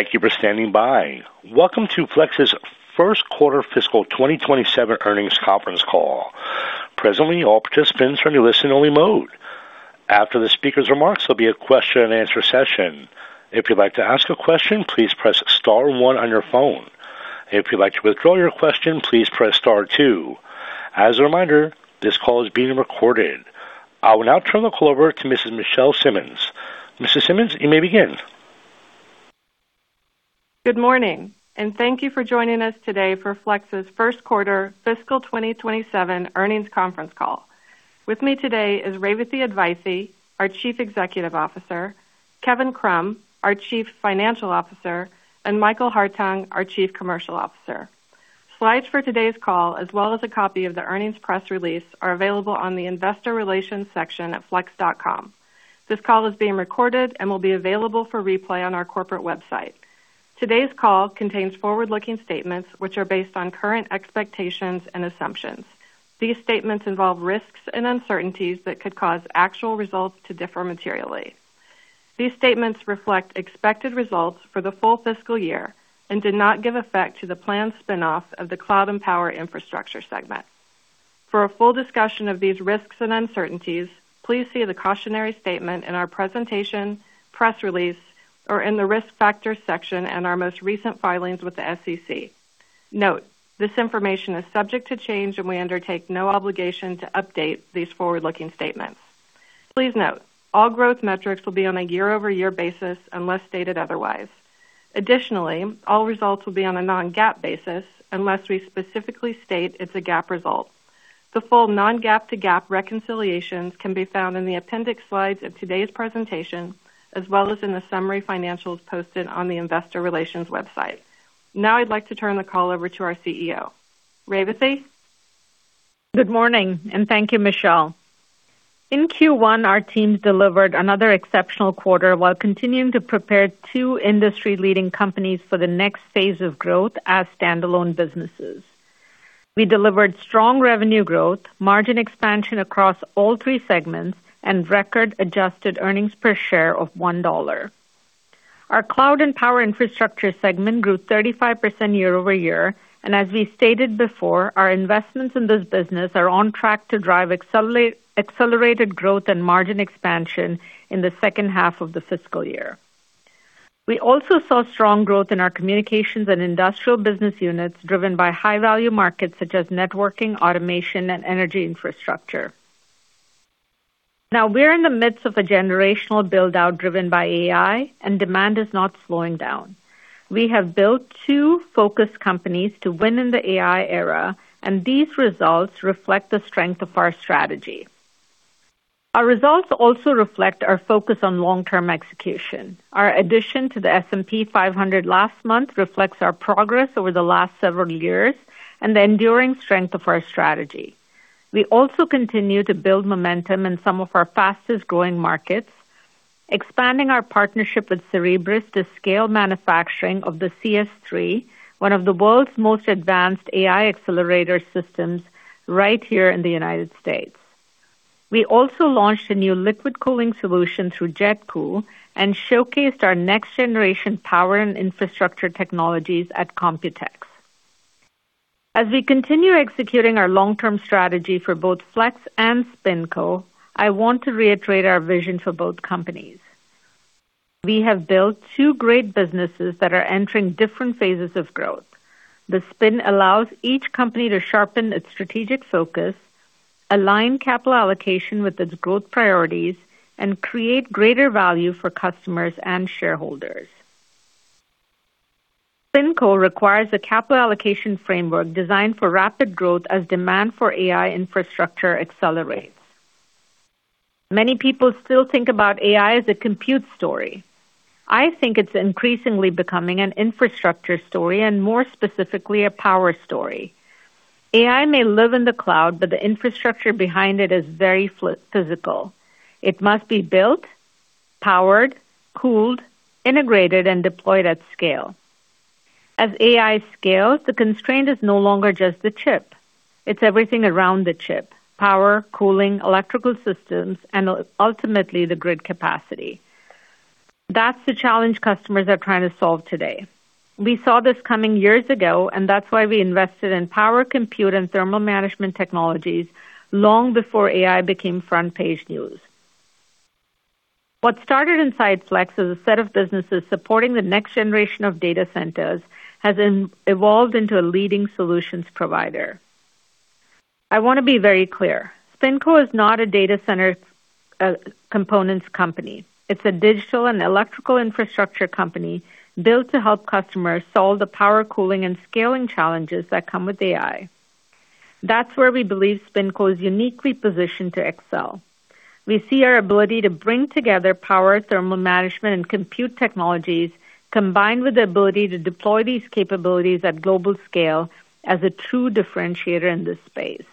Thank you for standing by. Welcome to Flex's first quarter fiscal 2027 earnings conference call. Presently, all participants are in a listen-only mode. After the speaker's remarks, there will be a question and answer session. If you would like to ask a question, please press star one on your phone. If you would like to withdraw your question, please press star two. As a reminder, this call is being recorded. I will now turn the call over to Ms. Michelle Simmons. Ms. Simmons, you may begin. Good morning. Thank you for joining us today for Flex's first quarter fiscal 2027 earnings conference call. With me today is Revathi Advaithi, our Chief Executive Officer, Kevin Krumm, our Chief Financial Officer, and Michael Hartung, our Chief Commercial Officer. Slides for today's call, as well as a copy of the earnings press release, are available on the investor relations section at flex.com. This call is being recorded and will be available for replay on our corporate website. Today's call contains forward-looking statements which are based on current expectations and assumptions. These statements involve risks and uncertainties that could cause actual results to differ materially. These statements reflect expected results for the full fiscal year and did not give effect to the planned spin-off of the Cloud and Power Infrastructure segment. For a full discussion of these risks and uncertainties, please see the cautionary statement in our presentation, press release, or in the risk factors section in our most recent filings with the SEC. Note, this information is subject to change. We undertake no obligation to update these forward-looking statements. Please note, all growth metrics will be on a year-over-year basis unless stated otherwise. Additionally, all results will be on a non-GAAP basis unless we specifically state it's a GAAP result. The full non-GAAP to GAAP reconciliations can be found in the appendix slides of today's presentation, as well as in the summary financials posted on the investor relations website. I would like to turn the call over to our CEO. Revathi? Good morning. Thank you, Michelle. In Q1, our teams delivered another exceptional quarter while continuing to prepare two industry-leading companies for the next phase of growth as standalone businesses. We delivered strong revenue growth, margin expansion across all three segments, and record-adjusted earnings per share of $1. Our Cloud and Power Infrastructure segment grew 35% year-over-year. As we stated before, our investments in this business are on track to drive accelerated growth and margin expansion in the second half of the fiscal year. We also saw strong growth in our communications and industrial business units driven by high-value markets such as networking, automation, and energy infrastructure. We are in the midst of a generational build-out driven by AI. Demand is not slowing down. We have built two focus companies to win in the AI era. These results reflect the strength of our strategy. Our results also reflect our focus on long-term execution. Our addition to the S&P 500 last month reflects our progress over the last several years and the enduring strength of our strategy. We also continue to build momentum in some of our fastest-growing markets, expanding our partnership with Cerebras to scale manufacturing of the CS-3, one of the world's most advanced AI accelerator systems right here in the United States. We also launched a new liquid cooling solution through JetCool and showcased our next-generation power and infrastructure technologies at Computex. As we continue executing our long-term strategy for both Flex and SpinCo, I want to reiterate our vision for both companies. We have built two great businesses that are entering different phases of growth. The spin allows each company to sharpen its strategic focus, align capital allocation with its growth priorities, and create greater value for customers and shareholders. SpinCo requires a capital allocation framework designed for rapid growth as demand for AI infrastructure accelerates. Many people still think about AI as a compute story. I think it's increasingly becoming an infrastructure story and more specifically, a power story. AI may live in the cloud, but the infrastructure behind it is very physical. It must be built, powered, cooled, integrated, and deployed at scale. As AI scales, the constraint is no longer just the chip. It's everything around the chip: power, cooling, electrical systems, and ultimately, the grid capacity. That's the challenge customers are trying to solve today. We saw this coming years ago, and that's why we invested in power compute and thermal management technologies long before AI became front-page news. What started inside Flex as a set of businesses supporting the next generation of data centers has evolved into a leading solutions provider. I want to be very clear. SpinCo is not a data center components company. It's a digital and electrical infrastructure company built to help customers solve the power cooling and scaling challenges that come with AI. That's where we believe SpinCo is uniquely positioned to excel. We see our ability to bring together power, thermal management, and compute technologies, combined with the ability to deploy these capabilities at global scale as a true differentiator in this space.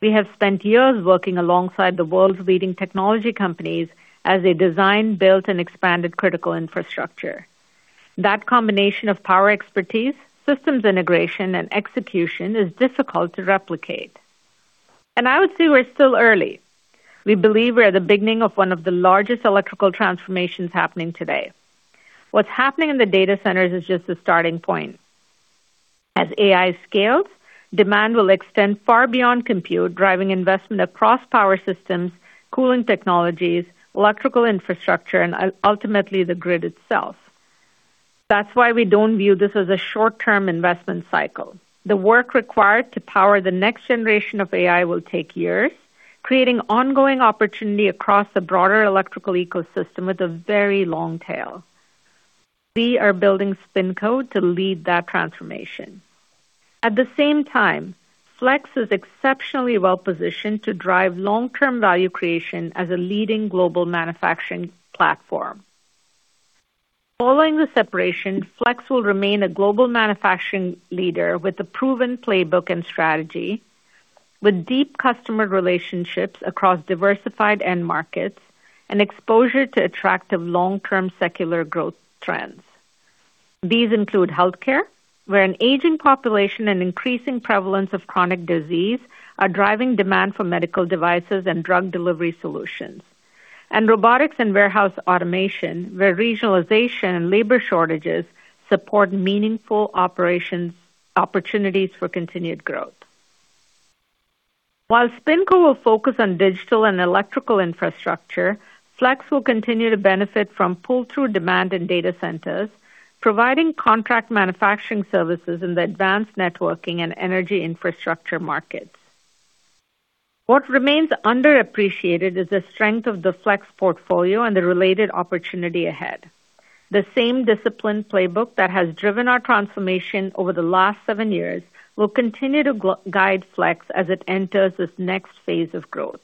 We have spent years working alongside the world's leading technology companies as they design, build, and expanded critical infrastructure. That combination of power expertise, systems integration, and execution is difficult to replicate. I would say we're still early. We believe we're at the beginning of one of the largest electrical transformations happening today. What's happening in the data centers is just the starting point. As AI scales, demand will extend far beyond compute, driving investment across power systems, cooling technologies, electrical infrastructure, and ultimately, the grid itself. That's why we don't view this as a short-term investment cycle. The work required to power the next generation of AI will take years, creating ongoing opportunity across the broader electrical ecosystem with a very long tail. We are building SpinCo to lead that transformation. At the same time, Flex is exceptionally well-positioned to drive long-term value creation as a leading global manufacturing platform. Following the separation, Flex will remain a global manufacturing leader with a proven playbook and strategy, with deep customer relationships across diversified end markets and exposure to attractive long-term secular growth trends. These include healthcare, where an aging population and increasing prevalence of chronic disease are driving demand for medical devices and drug delivery solutions. Robotics and warehouse automation, where regionalization and labor shortages support meaningful operations opportunities for continued growth. While SpinCo will focus on digital and electrical infrastructure, Flex will continue to benefit from pull-through demand in data centers, providing contract manufacturing services in the advanced networking and energy infrastructure markets. What remains underappreciated is the strength of the Flex portfolio and the related opportunity ahead. The same disciplined playbook that has driven our transformation over the last seven years will continue to guide Flex as it enters this next phase of growth.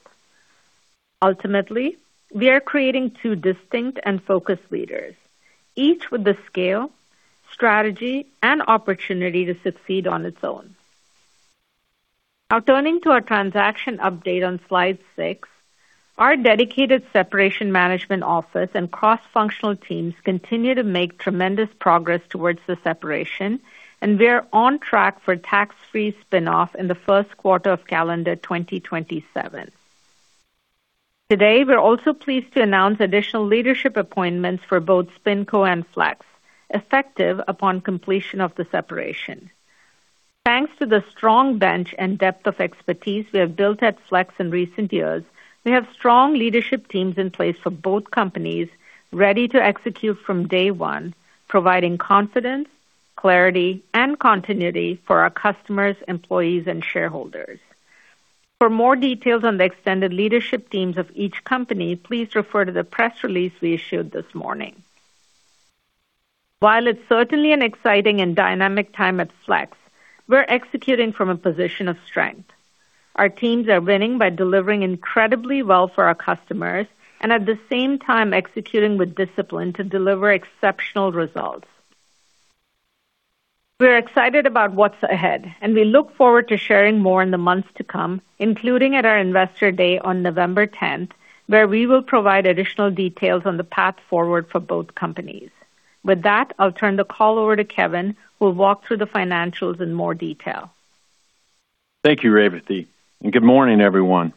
Ultimately, we are creating two distinct and focused leaders, each with the scale, strategy, and opportunity to succeed on its own. Now turning to our transaction update on slide six, our dedicated separation management office and cross-functional teams continue to make tremendous progress towards the separation, and we are on track for tax-free spinoff in the first quarter of calendar 2027. Today, we're also pleased to announce additional leadership appointments for both SpinCo and Flex, effective upon completion of the separation. Thanks to the strong bench and depth of expertise we have built at Flex in recent years, we have strong leadership teams in place for both companies, ready to execute from day one, providing confidence, clarity, and continuity for our customers, employees, and shareholders. For more details on the extended leadership teams of each company, please refer to the press release we issued this morning. While it's certainly an exciting and dynamic time at Flex, we're executing from a position of strength. Our teams are winning by delivering incredibly well for our customers and at the same time executing with discipline to deliver exceptional results. We're excited about what's ahead, and we look forward to sharing more in the months to come, including at our Investor Day on November 10th, where we will provide additional details on the path forward for both companies. With that, I'll turn the call over to Kevin, who will walk through the financials in more detail. Thank you, Revathi, and good morning, everyone.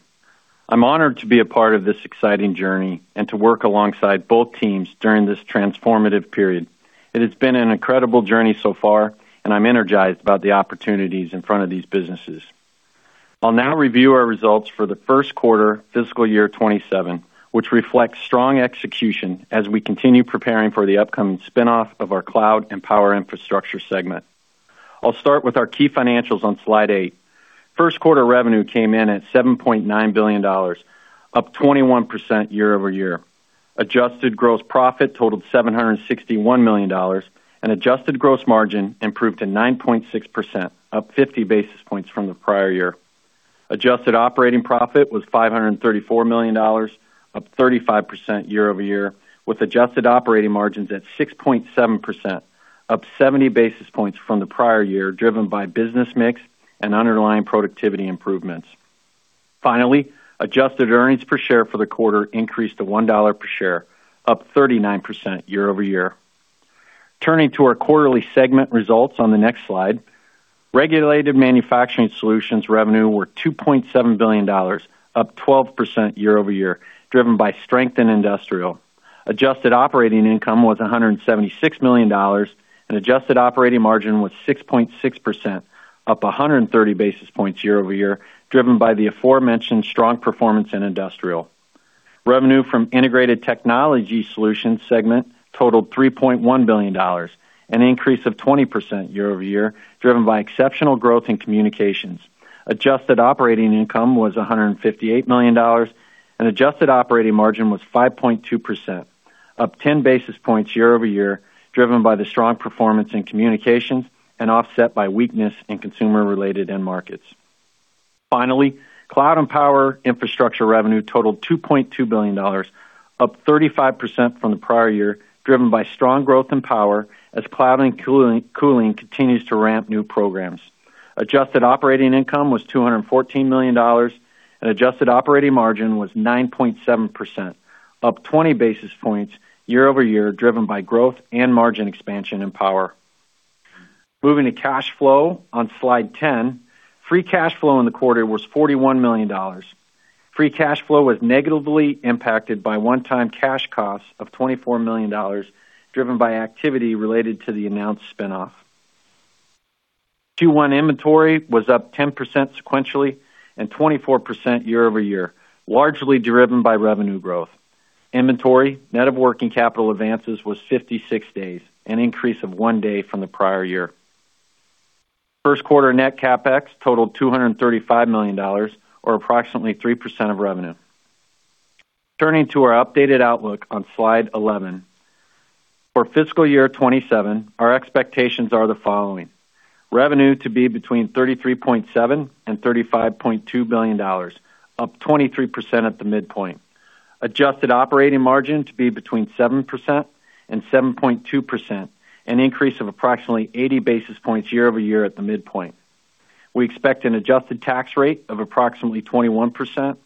I'm honored to be a part of this exciting journey and to work alongside both teams during this transformative period. It has been an incredible journey so far, and I'm energized about the opportunities in front of these businesses. I'll now review our results for the first quarter fiscal year 2027, which reflects strong execution as we continue preparing for the upcoming spin-off of our Cloud and Power Infrastructure segment. I'll start with our key financials on slide eight. First quarter revenue came in at $7.9 billion, up 21% year-over-year. Adjusted gross profit totaled $761 million, and adjusted gross margin improved to 9.6%, up 50 basis points from the prior year. Adjusted operating profit was $534 million, up 35% year-over-year, with adjusted operating margins at 6.7%, up 70 basis points from the prior year, driven by business mix and underlying productivity improvements. Finally, adjusted earnings per share for the quarter increased to $1 per share, up 39% year-over-year. Turning to our quarterly segment results on the next slide, Regulated Manufacturing Solutions revenue were $2.7 billion, up 12% year-over-year, driven by strength in industrial. Adjusted operating income was $176 million, and adjusted operating margin was 6.6%, up 130 basis points year-over-year, driven by the aforementioned strong performance in industrial. Revenue from Integrated Technology Solutions segment totaled $3.1 billion, an increase of 20% year-over-year, driven by exceptional growth in communications. Adjusted operating income was $158 million, and adjusted operating margin was 5.2%, up 10 basis points year-over-year, driven by the strong performance in communications and offset by weakness in consumer-related end markets. Finally, Cloud and Power Infrastructure revenue totaled $2.2 billion, up 35% from the prior year, driven by strong growth in Power as Cloud and Cooling continues to ramp new programs. Adjusted operating income was $214 million and adjusted operating margin was 9.7%, up 20 basis points year-over-year, driven by growth and margin expansion in Power. Moving to cash flow on slide 10. Free cash flow in the quarter was $41 million. Free cash flow was negatively impacted by one-time cash costs of $24 million, driven by activity related to the announced spin-off. Q1 inventory was up 10% sequentially and 24% year-over-year, largely driven by revenue growth. Inventory net of working capital advances was 56 days, an increase of one day from the prior year. First quarter net CapEx totaled $235 million or approximately 3% of revenue. Turning to our updated outlook on slide 11. For fiscal year 2027, our expectations are the following. Revenue to be between $33.7 and $35.2 billion, up 23% at the midpoint. Adjusted operating margin to be between 7% and 7.2%, an increase of approximately 80 basis points year-over-year at the midpoint. We expect an adjusted tax rate of approximately 21%.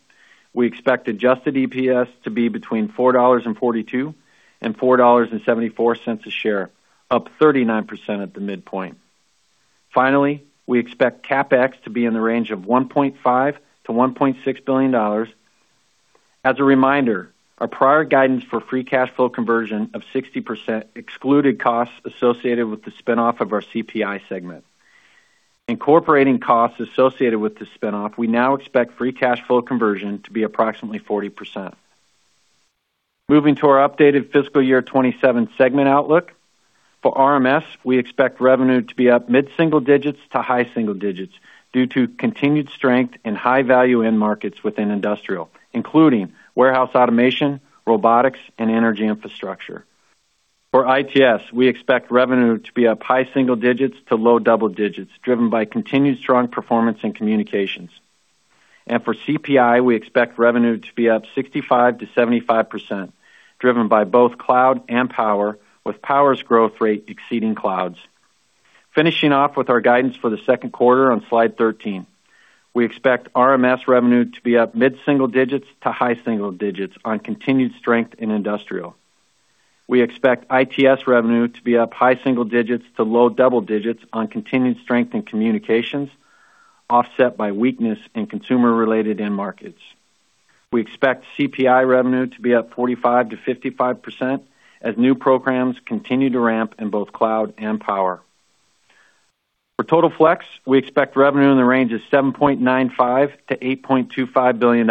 We expect adjusted EPS to be between $4.42 and $4.74 a share, up 39% at the midpoint. Finally, we expect CapEx to be in the range of $1.5 billion-$1.6 billion. As a reminder, our prior guidance for free cash flow conversion of 60% excluded costs associated with the spin-off of our CPI segment. Incorporating costs associated with the spin-off, we now expect free cash flow conversion to be approximately 40%. Moving to our updated fiscal year 2027 segment outlook. For RMS, we expect revenue to be up mid-single digits to high single digits due to continued strength in high-value end markets within industrial, including warehouse automation, robotics, and energy infrastructure. For ITS, we expect revenue to be up high single digits to low double digits, driven by continued strong performance in communications. For CPI, we expect revenue to be up 65%-75%, driven by both cloud and power, with power's growth rate exceeding cloud's. Finishing off with our guidance for the second quarter on slide 13. We expect RMS revenue to be up mid-single digits to high single digits on continued strength in industrial. We expect ITS revenue to be up high single digits to low double digits on continued strength in communications, offset by weakness in consumer-related end markets. We expect CPI revenue to be up 45%-55% as new programs continue to ramp in both cloud and power. For Total Flex, we expect revenue in the range of $7.95 billion-$8.25 billion,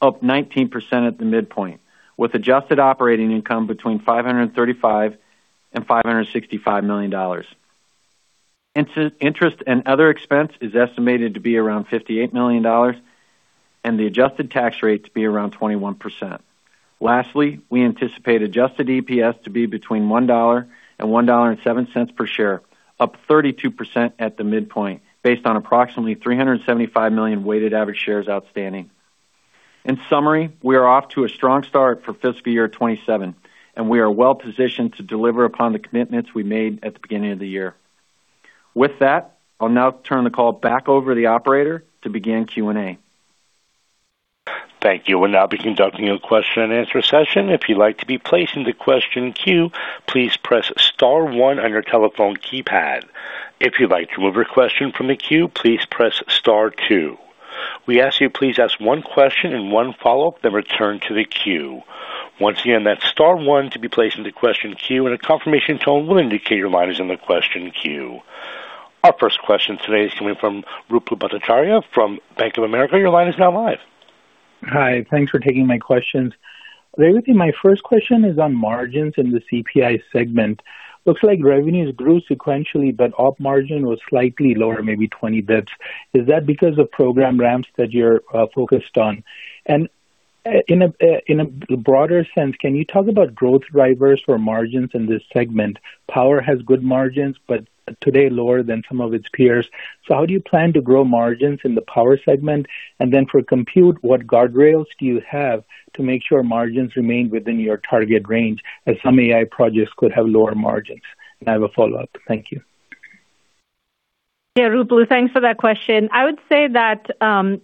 up 19% at the midpoint, with adjusted operating income between $535 million and $565 million. Interest and other expense is estimated to be around $58 million, and the adjusted tax rate to be around 21%. Lastly, we anticipate adjusted EPS to be between $1 and $1.07 per share, up 32% at the midpoint based on approximately 375 million weighted average shares outstanding. In summary, we are off to a strong start for fiscal year 2027, and we are well-positioned to deliver upon the commitments we made at the beginning of the year. With that, I'll now turn the call back over to the operator to begin Q&A. Thank you. We'll now be conducting a question and answer session. If you'd like to be placed into question queue, please press star one on your telephone keypad. If you'd like to remove your question from the queue, please press star two. We ask you please ask one question and one follow-up, then return to the queue. Once again, that's star one to be placed into question queue, and a confirmation tone will indicate your line is in the question queue. Our first question today is coming from Ruplu Bhattacharya from Bank of America. Your line is now live. Hi. Thanks for taking my questions. Revathi, my first question is on margins in the CPI segment. Looks like revenues grew sequentially, but op margin was slightly lower, maybe 20 basis points. Is that because of program ramps that you're focused on? In a broader sense, can you talk about growth drivers for margins in this segment? Power has good margins, but today lower than some of its peers. How do you plan to grow margins in the power segment? Then for compute, what guardrails do you have to make sure margins remain within your target range, as some AI projects could have lower margins? I have a follow-up. Thank you. Yeah, Ruplu, thanks for that question. I would say that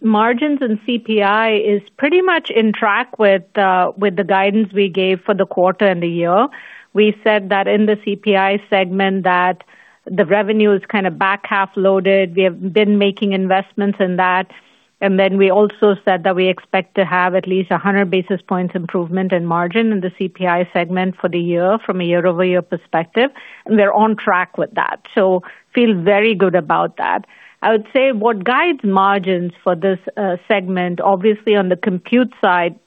margins in CPI is pretty much on track with the guidance we gave for the quarter and the year. We said that in the CPI segment that the revenue is kind of back half loaded. We have been making investments in that. We also said that we expect to have at least 100 basis points improvement in margin in the CPI segment for the year from a year-over-year perspective. We're on track with that. Feel very good about that. I would say what guides margins for this segment, obviously on the compute side,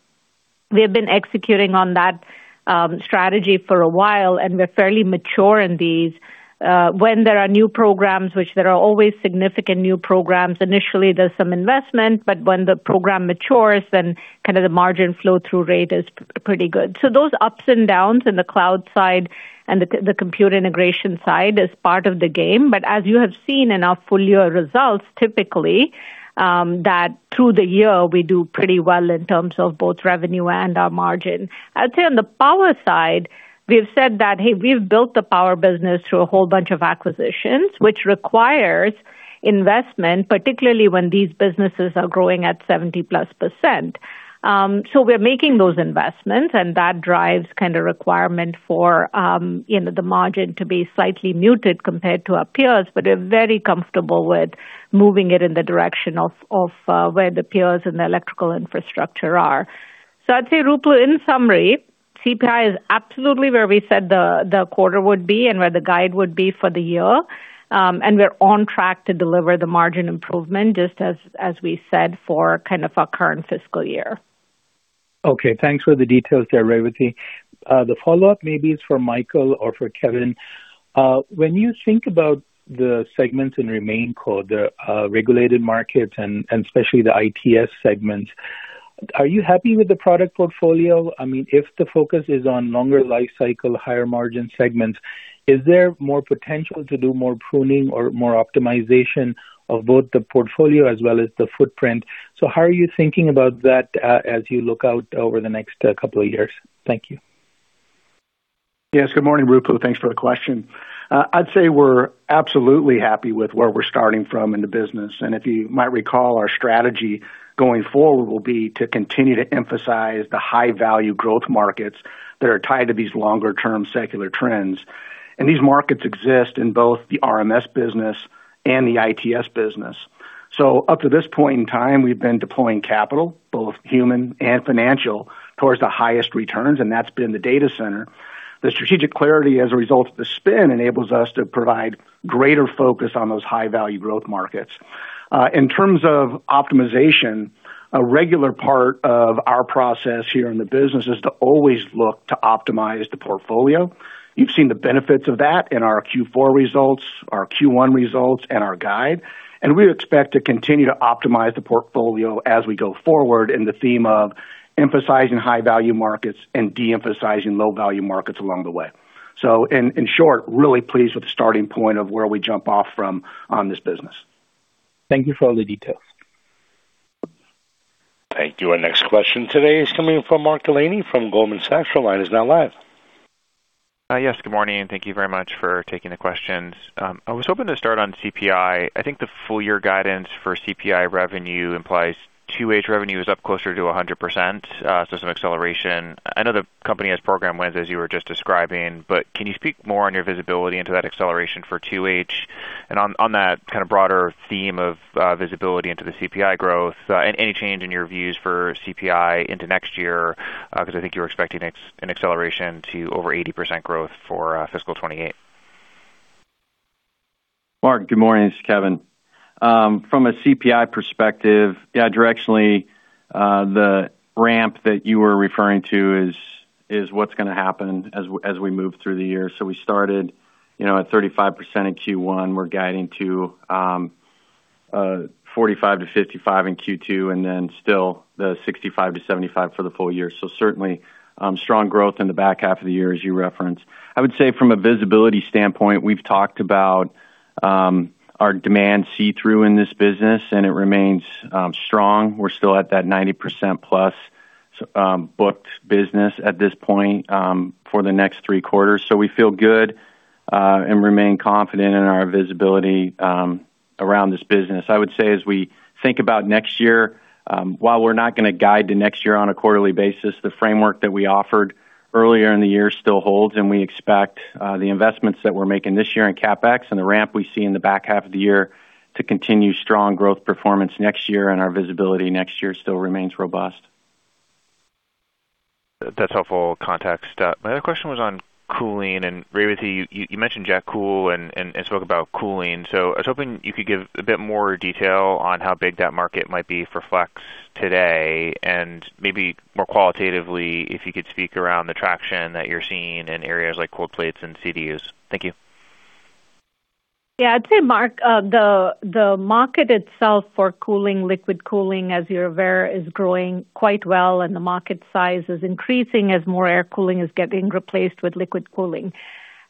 we've been executing on that strategy for a while, and we're fairly mature in these. When there are new programs, which there are always significant new programs, initially there's some investment, but when the program matures, then kind of the margin flow-through rate is pretty good. Those ups and downs in the cloud side and the compute integration side is part of the game. As you have seen in our full-year results, typically, that through the year, we do pretty well in terms of both revenue and our margin. I'd say on the power side, we've said that, hey, we've built the power business through a whole bunch of acquisitions, which requires investment, particularly when these businesses are growing at 70+%. We're making those investments, that drives kind of requirement for the margin to be slightly muted compared to our peers, we're very comfortable with moving it in the direction of where the peers in the electrical infrastructure are. I'd say, Ruplu, in summary, CPI is absolutely where we said the quarter would be and where the guide would be for the year. We're on track to deliver the margin improvement just as we said for kind of our current fiscal year. Okay. Thanks for the details there, Revathi. The follow-up maybe is for Michael or for Kevin. When you think about the segments in RemainCo, the regulated markets and especially the ITS segments, are you happy with the product portfolio? I mean, if the focus is on longer life cycle, higher margin segments, is there more potential to do more pruning or more optimization of both the portfolio as well as the footprint? How are you thinking about that as you look out over the next couple of years? Thank you. Yes. Good morning, Ruplu. Thanks for the question. I'd say we're absolutely happy with where we're starting from in the business. If you might recall, our strategy going forward will be to continue to emphasize the high-value growth markets that are tied to these longer-term secular trends. These markets exist in both the RMS business and the ITS business. Up to this point in time, we've been deploying capital, both human and financial, towards the highest returns, and that's been the data center. The strategic clarity as a result of the spin enables us to provide greater focus on those high-value growth markets. In terms of optimization, a regular part of our process here in the business is to always look to optimize the portfolio. You've seen the benefits of that in our Q4 results, our Q1 results, and our guide, and we expect to continue to optimize the portfolio as we go forward in the theme of emphasizing high-value markets and de-emphasizing low-value markets along the way. In short, really pleased with the starting point of where we jump off from on this business. Thank you for all the details. Thank you. Our next question today is coming from Mark Delaney from Goldman Sachs. Your line is now live. Yes, good morning. Thank you very much for taking the questions. I was hoping to start on CPI. I think the full year guidance for CPI revenue implies 2H revenue is up closer to 100%, so some acceleration. I know the company has program wins, as you were just describing, can you speak more on your visibility into that acceleration for 2H? On that kind of broader theme of visibility into the CPI growth, any change in your views for CPI into next year? I think you were expecting an acceleration to over 80% growth for fiscal 2028. Mark, good morning. This is Kevin. From a CPI perspective, directionally, the ramp that you were referring to is what's going to happen as we move through the year. We started at 35% in Q1. We're guiding to 45%-55% in Q2, still the 65%-75% for the full year. Certainly, strong growth in the back half of the year, as you referenced. I would say from a visibility standpoint, we've talked about our demand see-through in this business, and it remains strong. We're still at that 90% plus booked business at this point for the next three quarters. We feel good and remain confident in our visibility around this business. I would say as we think about next year, while we're not going to guide to next year on a quarterly basis, the framework that we offered earlier in the year still holds. We expect the investments that we're making this year in CapEx and the ramp we see in the back half of the year to continue strong growth performance next year. Our visibility next year still remains robust. That's helpful context. My other question was on cooling. Revathi, you mentioned JetCool and spoke about cooling. I was hoping you could give a bit more detail on how big that market might be for Flex today, maybe more qualitatively, if you could speak around the traction that you're seeing in areas like cold plates and CDUs. Thank you. Yeah. I'd say, Mark, the market itself for cooling, liquid cooling, as you're aware, is growing quite well, and the market size is increasing as more air cooling is getting replaced with liquid cooling.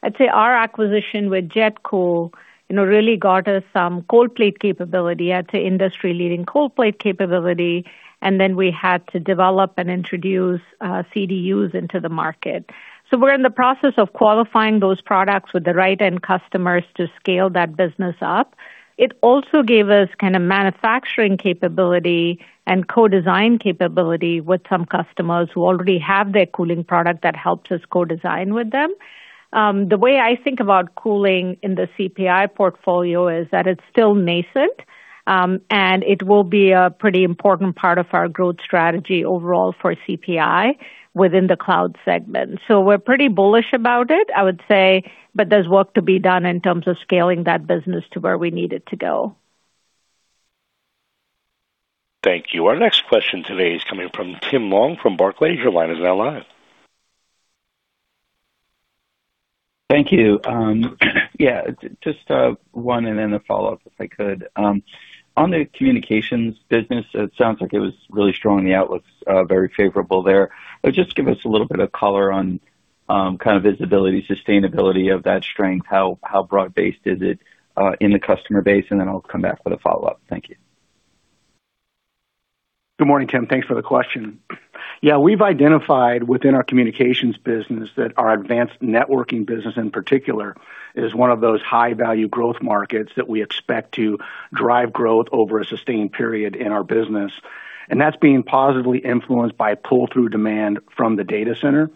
I'd say our acquisition with JetCool really got us some cold plate capability. I'd say industry-leading cold plate capability, and then we had to develop and introduce CDUs into the market. We're in the process of qualifying those products with the right end customers to scale that business up. It also gave us kind of manufacturing capability and co-design capability with some customers who already have their cooling product that helps us co-design with them. The way I think about cooling in the CPI portfolio is that it's still nascent, and it will be a pretty important part of our growth strategy overall for CPI within the cloud segment. We're pretty bullish about it, I would say, there's work to be done in terms of scaling that business to where we need it to go. Thank you. Our next question today is coming from Tim Long from Barclays. Your line is now live. Thank you. Yeah, just one and then a follow-up, if I could. On the communications business, it sounds like it was really strong. The outlook's very favorable there. Just give us a little bit of color on kind of visibility, sustainability of that strength. How broad-based is it in the customer base? Then I'll come back with a follow-up. Thank you. Good morning, Tim. Thanks for the question. We've identified within our communications business that our advanced networking business in particular is one of those high-value growth markets that we expect to drive growth over a sustained period in our business, and that's being positively influenced by pull-through demand from the data center.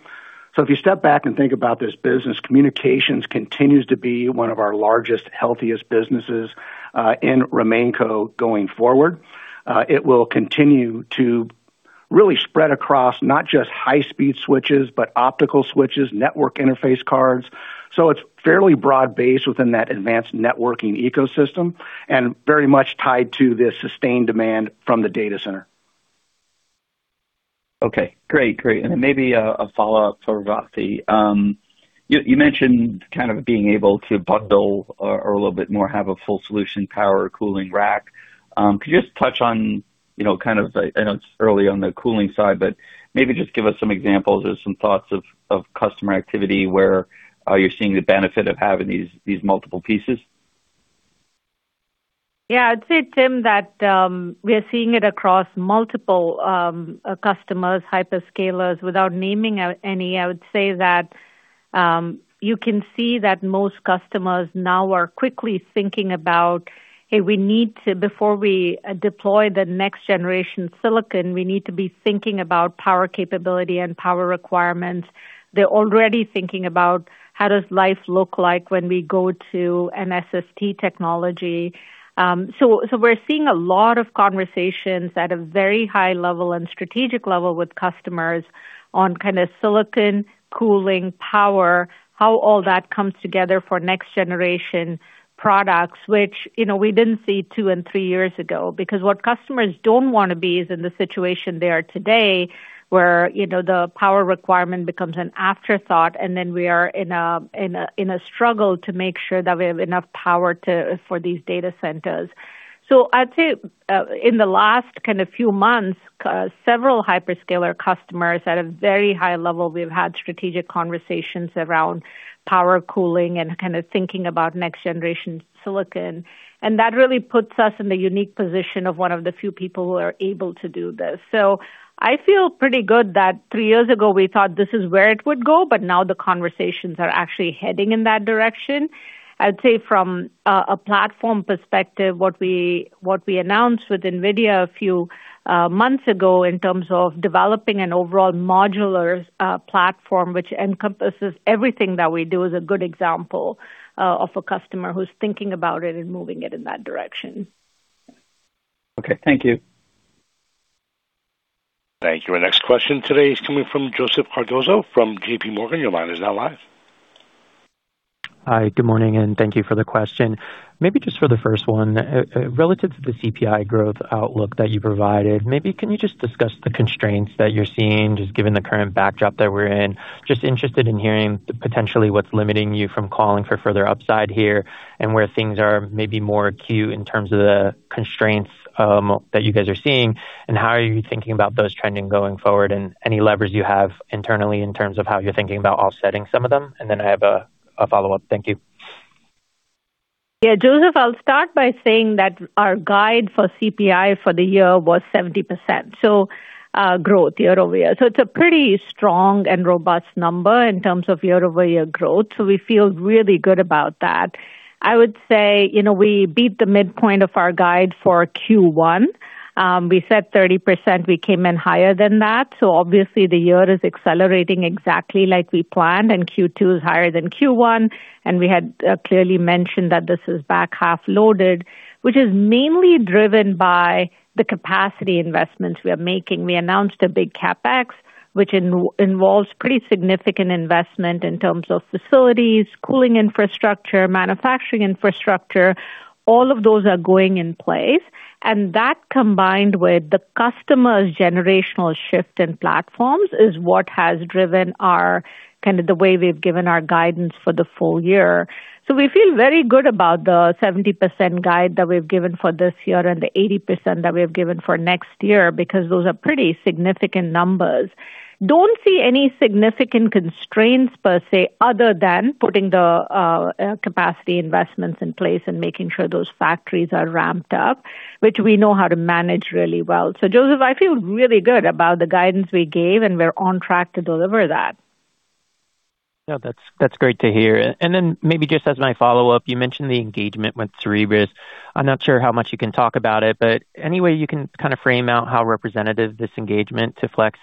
If you step back and think about this business, communications continues to be one of our largest, healthiest businesses in RemainCo going forward. It will continue to really spread across not just high-speed switches, but optical switches, network interface cards. It's fairly broad-based within that advanced networking ecosystem and very much tied to the sustained demand from the data center. Okay. Great. Maybe a follow-up for Revathi. You mentioned kind of being able to bundle or a little bit more have a full solution power cooling rack. Could you just touch on, I know it's early on the cooling side, but maybe just give us some examples or some thoughts of customer activity where you're seeing the benefit of having these multiple pieces? I'd say, Tim, that we're seeing it across multiple customers, hyperscalers. Without naming any, I would say that you can see that most customers now are quickly thinking about, "Hey, before we deploy the next generation silicon, we need to be thinking about power capability and power requirements." They're already thinking about, "How does life look like when we go to an SST technology?" We're seeing a lot of conversations at a very high level and strategic level with customers on kind of silicon cooling power, how all that comes together for next generation products, which we didn't see two and three years ago. What customers don't want to be is in the situation they are today, where the power requirement becomes an afterthought, and then we are in a struggle to make sure that we have enough power for these data centers. I'd say, in the last kind of few months, several hyperscaler customers at a very high level, we've had strategic conversations around power cooling and kind of thinking about next generation silicon. That really puts us in the unique position of one of the few people who are able to do this. I feel pretty good that three years ago we thought this is where it would go, but now the conversations are actually heading in that direction. I'd say from a platform perspective, what we announced with Nvidia a few months ago in terms of developing an overall modular platform, which encompasses everything that we do, is a good example of a customer who's thinking about it and moving it in that direction. Okay. Thank you. Thank you. Our next question today is coming from Joseph Cardoso from JPMorgan. Your line is now live. Hi. Good morning, and thank you for the question. Maybe just for the first one, relative to the CPI growth outlook that you provided, maybe can you just discuss the constraints that you're seeing, just given the current backdrop that we're in? Just interested in hearing potentially what's limiting you from calling for further upside here, and where things are maybe more acute in terms of the constraints that you guys are seeing, and how are you thinking about those trending going forward, and any levers you have internally in terms of how you're thinking about offsetting some of them? Then I have a follow-up. Thank you. Joseph, I'll start by saying that our guide for CPI for the year was 70%. Growth year-over-year. It's a pretty strong and robust number in terms of year-over-year growth. We feel really good about that. I would say we beat the midpoint of our guide for Q1. We said 30%, we came in higher than that. Obviously the year is accelerating exactly like we planned, Q2 is higher than Q1, we had clearly mentioned that this is back half loaded, which is mainly driven by the capacity investments we are making. We announced a big CapEx, which involves pretty significant investment in terms of facilities, cooling infrastructure, manufacturing infrastructure. All of those are going in place, that combined with the customer's generational shift in platforms is what has driven our kind of the way we've given our guidance for the full year. We feel very good about the 70% guide that we've given for this year and the 80% that we have given for next year, because those are pretty significant numbers. Don't see any significant constraints per se other than putting the capacity investments in place and making sure those factories are ramped up, which we know how to manage really well. Joseph, I feel really good about the guidance we gave, and we're on track to deliver that. No, that's great to hear. Then maybe just as my follow-up, you mentioned the engagement with Cerebras. I'm not sure how much you can talk about it, but any way you can kind of frame out how representative this engagement to Flex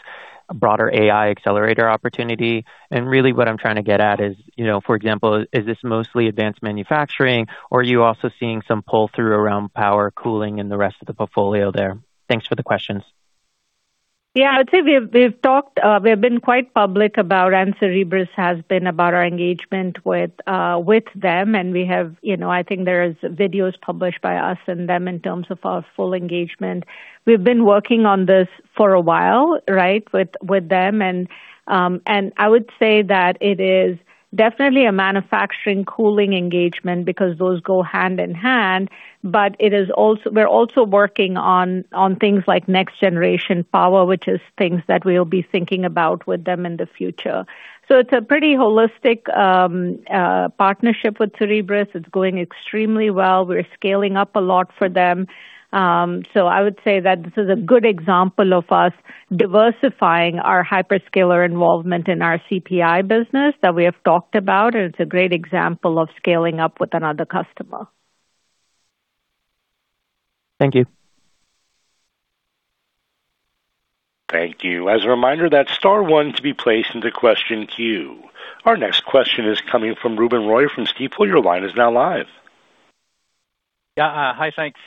broader AI accelerator opportunity. Really what I'm trying to get at is, for example, is this mostly advanced manufacturing or are you also seeing some pull-through around power cooling in the rest of the portfolio there? Thanks for the questions. Yeah. I'd say we've been quite public about, Cerebras has been about our engagement with them, we have I think there is videos published by us and them in terms of our full engagement. We've been working on this for a while, right? With them, I would say that it is definitely a manufacturing cooling engagement because those go hand in hand. We're also working on things like next generation power, which is things that we'll be thinking about with them in the future. It's a pretty holistic partnership with Cerebras. It's going extremely well. We're scaling up a lot for them. I would say that this is a good example of us diversifying our hyperscaler involvement in our CPI business that we have talked about, it's a great example of scaling up with another customer. Thank you. Thank you. As a reminder, that's star one to be placed into question queue. Our next question is coming from Ruben Roy from Stifel. Your line is now live. Yeah. Hi. Thanks.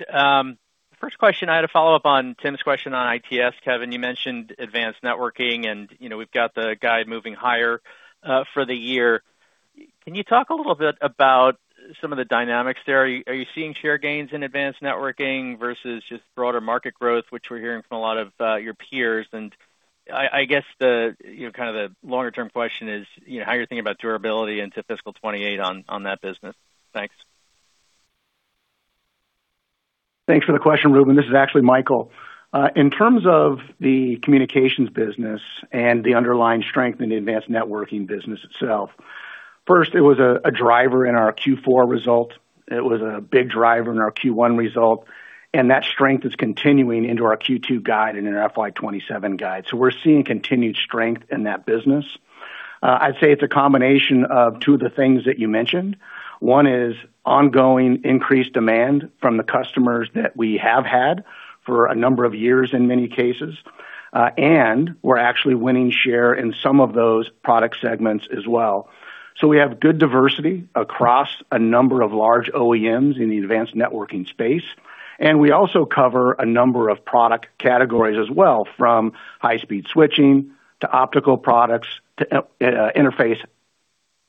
First question, I had a follow-up on Tim's question on ITS. Kevin, you mentioned advanced networking, and we've got the guide moving higher for the year. Can you talk a little bit about some of the dynamics there? Are you seeing share gains in advanced networking versus just broader market growth, which we're hearing from a lot of your peers? I guess the kind of the longer-term question is, how you're thinking about durability into fiscal 2028 on that business. Thanks. Thanks for the question, Ruben. This is actually Michael. In terms of the communications business and the underlying strength in the advanced networking business itself. First, it was a driver in our Q4 result. It was a big driver in our Q1 result, that strength is continuing into our Q2 guide and in our FY 2027 guide. We're seeing continued strength in that business. I'd say it's a combination of two of the things that you mentioned. One is ongoing increased demand from the customers that we have had for a number of years in many cases. We're actually winning share in some of those product segments as well. We have good diversity across a number of large OEMs in the advanced networking space, and we also cover a number of product categories as well, from high-speed switching to optical products to interface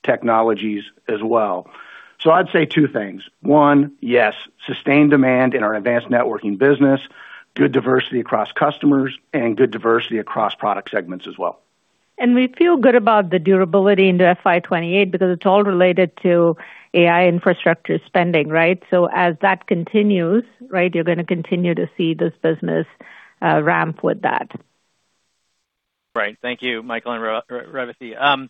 technologies as well. I'd say two things. One, yes, sustained demand in our advanced networking business, good diversity across customers, and good diversity across product segments as well. We feel good about the durability in the FY 2028 because it's all related to AI infrastructure spending, right? As that continues, you're going to continue to see this business ramp with that. Right. Thank you, Michael Hartung and Revathi Advaithi. Revathi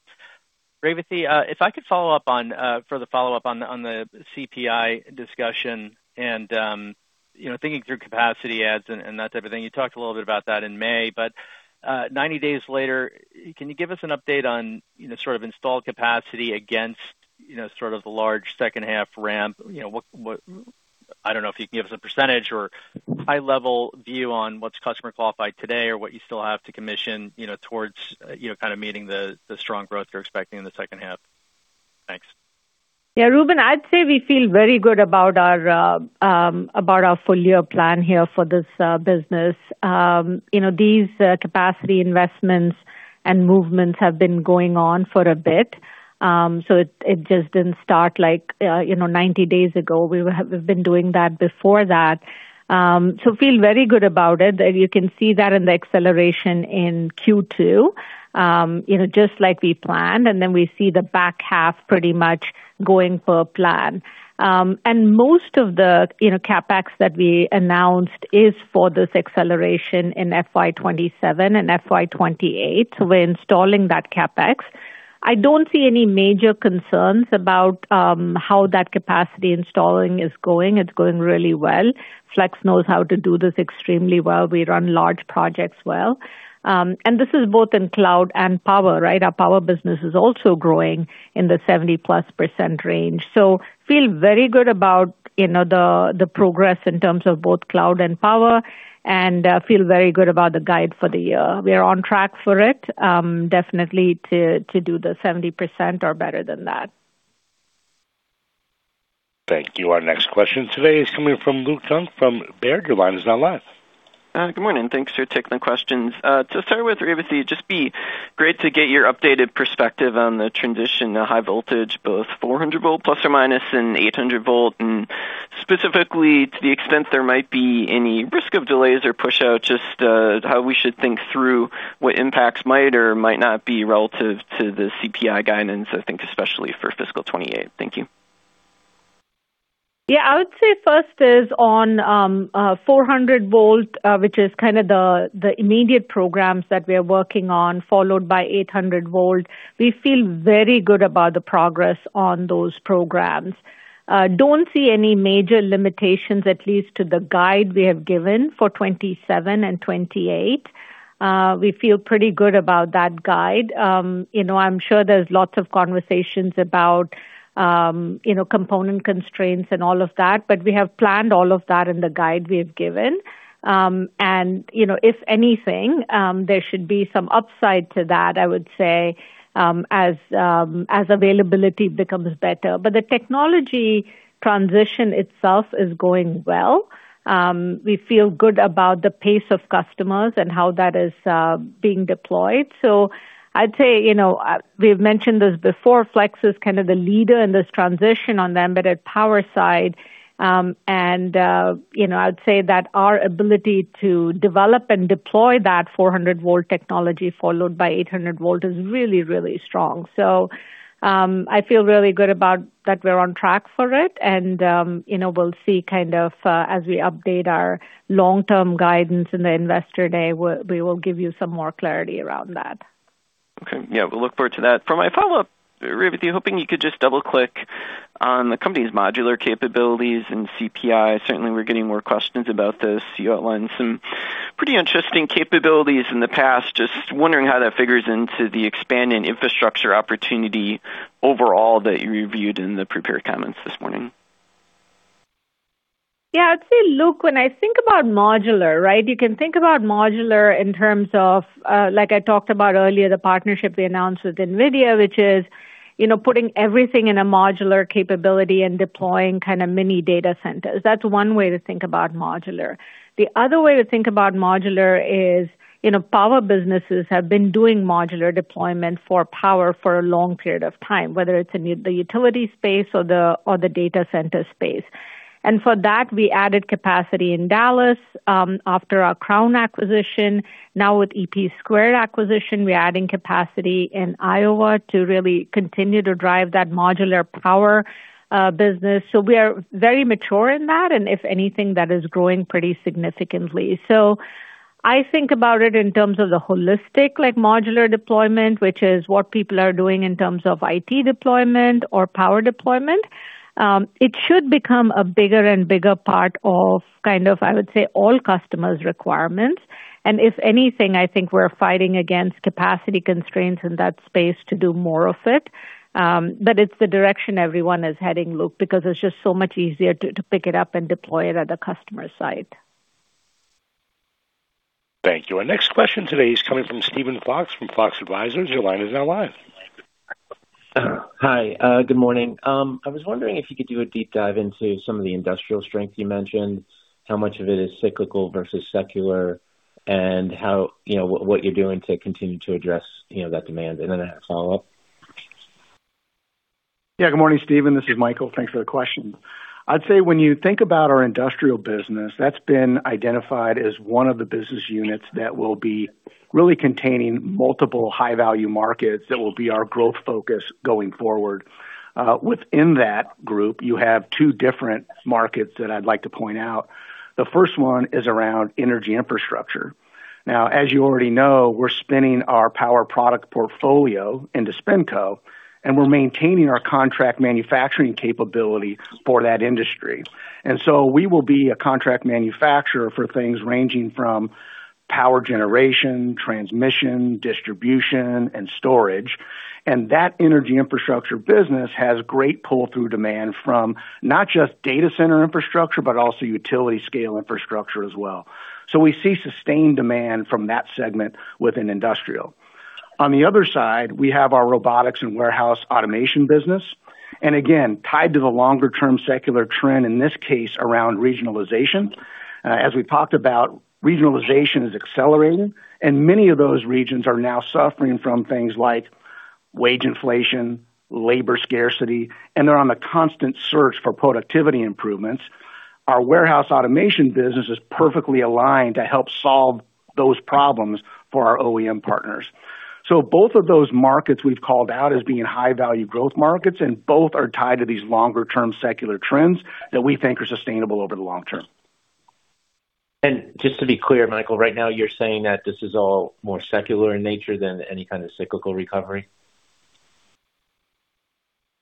Advaithi, if I could follow up on, for the follow-up on the CPI discussion and thinking through capacity adds and that type of thing. You talked a little bit about that in May, but 90 days later, can you give us an update on sort of installed capacity against sort of the large second half ramp? I don't know if you can give us a % or high-level view on what's customer qualified today or what you still have to commission towards kind of meeting the strong growth you're expecting in the second half. Thanks. Yeah, Ruben Roy, I'd say we feel very good about our full-year plan here for this business. These capacity investments and movements have been going on for a bit. It just didn't start 90 days ago. We've been doing that before that. Feel very good about it. You can see that in the acceleration in Q2, just like we planned. We see the back half pretty much going per plan. Most of the CapEx that we announced is for this acceleration in FY 2027 and FY 2028. We're installing that CapEx. I don't see any major concerns about how that capacity installing is going. It's going really well. Flex knows how to do this extremely well. We run large projects well. This is both in cloud and power, right? Our power business is also growing in the 70-plus % range. Feel very good about the progress in terms of both cloud and power, and feel very good about the guide for the year. We are on track for it. Definitely to do the 70% or better than that. Thank you. Our next question today is coming from Luke Junk from Baird. Your line is now live. Good morning. Thanks for taking the questions. To start with Revathi, it'd just be great to get your updated perspective on the transition to high voltage, both 400 volt plus or minus and 800 volt, and specifically to the extent there might be any risk of delays or push out, just how we should think through what impacts might or might not be relative to the CPI guidance, I think especially for fiscal 2028. Thank you. Yeah. I would say first is on 400 volt, which is kind of the immediate programs that we are working on, followed by 800 volt. We feel very good about the progress on those programs. Don't see any major limitations, at least to the guide we have given for 2027 and 2028. We feel pretty good about that guide. I'm sure there's lots of conversations about component constraints and all of that, we have planned all of that in the guide we have given. If anything, there should be some upside to that, I would say, as availability becomes better. The technology transition itself is going well. We feel good about the pace of customers and how that is being deployed. I'd say, we've mentioned this before, Flex is kind of the leader in this transition on the embedded power side. I would say that our ability to develop and deploy that 400 volt technology followed by 800 volt is really strong. I feel really good about that we're on track for it, and we'll see kind of as we update our long-term guidance in the Investor Day, we will give you some more clarity around that. Okay. Yeah. We'll look forward to that. For my follow-up, Revathi, hoping you could just double-click on the company's modular capabilities and CPI. Certainly, we're getting more questions about this. You outlined some pretty interesting capabilities in the past. Just wondering how that figures into the expanding infrastructure opportunity overall that you reviewed in the prepared comments this morning. Yeah, I'd say, Luke, when I think about modular, you can think about modular in terms of, like I talked about earlier, the partnership we announced with Nvidia, which is putting everything in a modular capability and deploying kind of mini data centers. That's one way to think about modular. The other way to think about modular is power businesses have been doing modular deployment for power for a long period of time, whether it's in the utility space or the data center space. For that, we added capacity in Dallas after our Crown acquisition. Now with EP² acquisition, we're adding capacity in Iowa to really continue to drive that modular power business. We are very mature in that, and if anything, that is growing pretty significantly. I think about it in terms of the holistic modular deployment, which is what people are doing in terms of IT deployment or power deployment. It should become a bigger and bigger part of, I would say, all customers' requirements. If anything, I think we're fighting against capacity constraints in that space to do more of it. It's the direction everyone is heading, Luke, because it's just so much easier to pick it up and deploy it at the customer site. Thank you. Our next question today is coming from Steven Fox from Fox Advisors. Your line is now live. Hi. Good morning. I was wondering if you could do a deep dive into some of the industrial strength you mentioned, how much of it is cyclical versus secular, and what you're doing to continue to address that demand? I have a follow-up. Yeah. Good morning, Steven. This is Michael. Thanks for the question. I'd say when you think about our industrial business, that's been identified as one of the business units that will be really containing multiple high-value markets that will be our growth focus going forward. Within that group, you have two different markets that I'd like to point out. The first one is around energy infrastructure. As you already know, we're spinning our power product portfolio into SpinCo, and we're maintaining our contract manufacturing capability for that industry. We will be a contract manufacturer for things ranging from power generation, transmission, distribution, and storage. That energy infrastructure business has great pull-through demand from not just data center infrastructure, but also utility scale infrastructure as well. We see sustained demand from that segment within industrial. On the other side, we have our robotics and warehouse automation business, tied to the longer-term secular trend, in this case, around regionalization. As we talked about, regionalization is accelerating, and many of those regions are now suffering from things like wage inflation, labor scarcity, and they're on a constant search for productivity improvements. Our warehouse automation business is perfectly aligned to help solve those problems for our OEM partners. Both of those markets we've called out as being high-value growth markets, both are tied to these longer-term secular trends that we think are sustainable over the long term. Just to be clear, Michael, right now you're saying that this is all more secular in nature than any kind of cyclical recovery?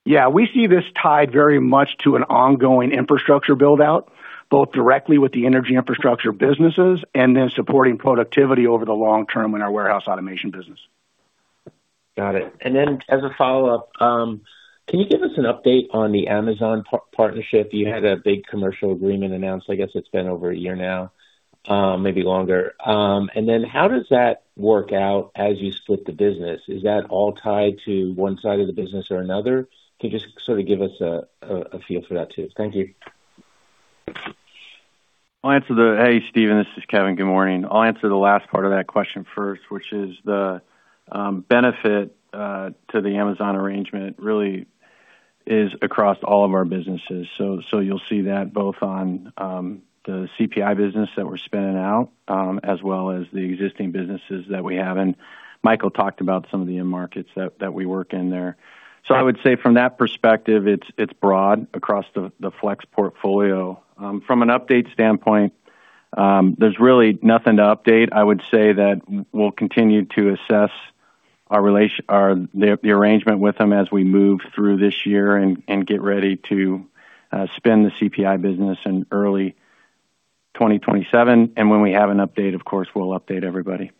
Yeah, we see this tied very much to an ongoing infrastructure build-out, both directly with the energy infrastructure businesses and then supporting productivity over the long term in our warehouse automation business. Got it. As a follow-up, can you give us an update on the Amazon partnership? You had a big commercial agreement announced, I guess it's been over a year now, maybe longer. How does that work out as you split the business? Is that all tied to one side of the business or another? Can you just sort of give us a feel for that too? Thank you. I'll answer. Hey, Steven, this is Kevin. Good morning. I'll answer the last part of that question first, which is the benefit to the Amazon arrangement really is across all of our businesses. You'll see that both on the CPI business that we're spinning out, as well as the existing businesses that we have, and Michael talked about some of the end markets that we work in there. I would say from that perspective, it's broad across the Flex portfolio. From an update standpoint, there's really nothing to update. I would say that we'll continue to assess the arrangement with them as we move through this year and get ready to spin the CPI business in early 2027. When we have an update, of course, we'll update everybody.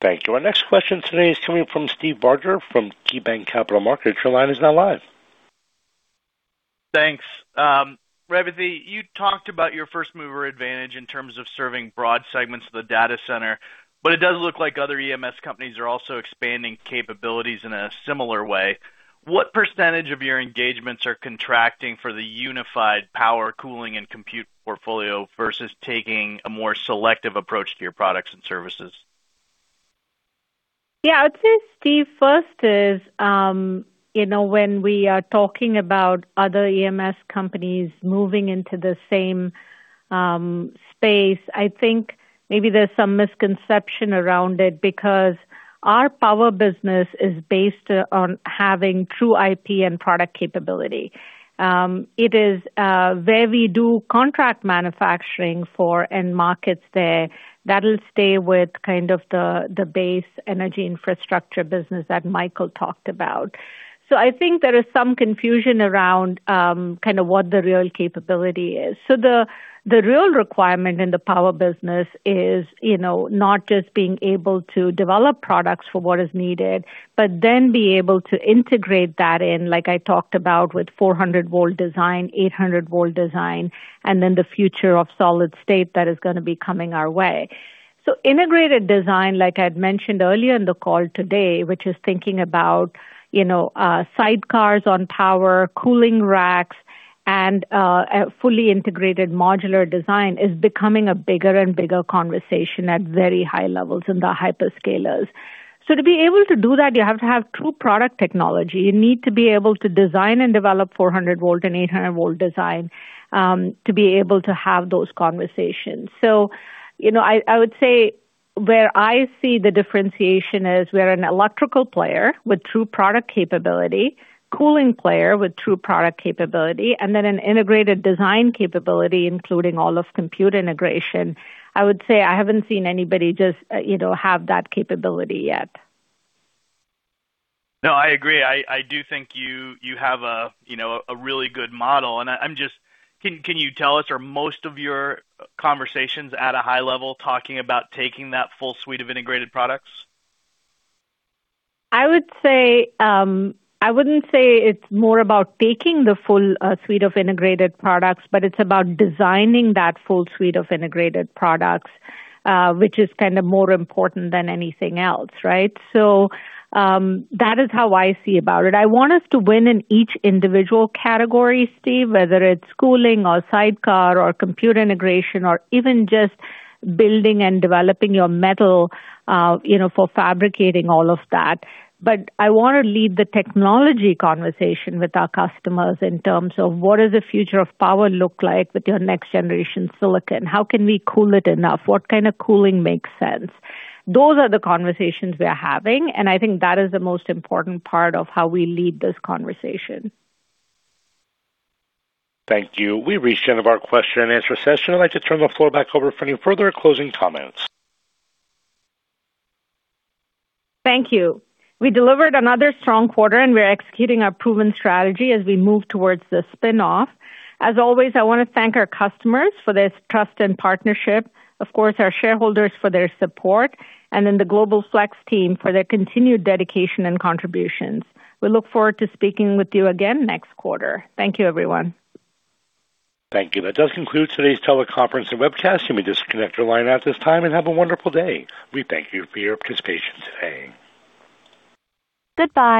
Thank you. Our next question today is coming from Steve Barger from KeyBanc Capital Markets. Your line is now live. Thanks. Revathi, you talked about your first-mover advantage in terms of serving broad segments of the data center, but it does look like other EMS companies are also expanding capabilities in a similar way. What percentage of your engagements are contracting for the unified power cooling and compute portfolio versus taking a more selective approach to your products and services? Yeah. I'd say, Steve, first is when we are talking about other EMS companies moving into the same space, I think maybe there's some misconception around it because our power business is based on having true IP and product capability. Where we do contract manufacturing for end markets there, that'll stay with kind of the base energy infrastructure business that Michael talked about. I think there is some confusion around kind of what the real capability is. The real requirement in the power business is not just being able to develop products for what is needed, but then be able to integrate that in, like I talked about with 400-volt design, 800-volt design, and then the future of solid state that is going to be coming our way. Integrated design, like I had mentioned earlier in the call today, which is thinking about sidecars on tower, cooling racks, and a fully integrated modular design, is becoming a bigger and bigger conversation at very high levels in the hyperscalers. To be able to do that, you have to have true product technology. You need to be able to design and develop 400-volt and 800-volt design to be able to have those conversations. I would say where I see the differentiation is we're an electrical player with true product capability, cooling player with true product capability, and then an integrated design capability, including all of computer integration. I would say I haven't seen anybody just have that capability yet. No, I agree. I do think you have a really good model and can you tell us, are most of your conversations at a high level talking about taking that full suite of integrated products? I wouldn't say it's more about taking the full suite of integrated products, but it's about designing that full suite of integrated products, which is kind of more important than anything else, right? That is how I see about it. I want us to win in each individual category, Steve, whether it's cooling or sidecar or computer integration or even just building and developing your metal for fabricating all of that. I want to lead the technology conversation with our customers in terms of what does the future of power look like with your next generation silicon? How can we cool it enough? What kind of cooling makes sense? Those are the conversations we are having, and I think that is the most important part of how we lead this conversation. Thank you. We've reached the end of our question and answer session. I'd like to turn the floor back over for any further closing comments. Thank you. We delivered another strong quarter, and we're executing our proven strategy as we move towards the spinoff. As always, I want to thank our customers for this trust and partnership, of course, our shareholders for their support, and then the Global Flex team for their continued dedication and contributions. We look forward to speaking with you again next quarter. Thank you, everyone. Thank you. That does conclude today's teleconference and webcast. You may disconnect your line at this time, and have a wonderful day. We thank you for your participation today. Goodbye